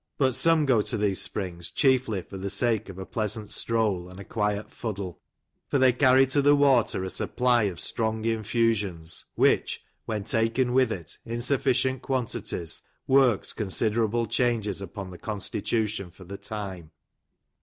But some go to these springs chiefly for the sake of a pleasant stroll, and a quiet fuddle ; for they carry to the water a supply of strong infusions, which, when taken with it, in sufficient quantities, works considerable changes upon the constitution for the time.